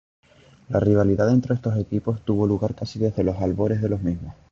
La rivalidad entre estos equipos, tuvo lugar casi desde los albores de los mismos.